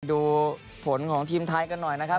ดูผลของทีมไทยกันหน่อยนะครับ